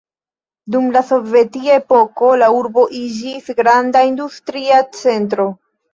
Dum la Sovetia epoko la urbo iĝis granda industria centro.